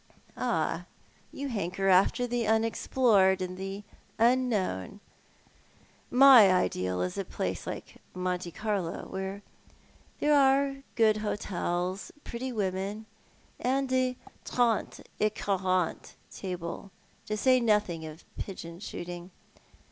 "Ah, you hanker after the unexplored and the unknown. My ideal is a place like Monte Carlo, where there are good hotels, pretty women, and a trcntc et quaranto table, — to say nothing of pigcon shooling.